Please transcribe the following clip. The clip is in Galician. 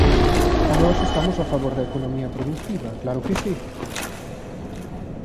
Nós estamos a favor da economía produtiva, ¡claro que si!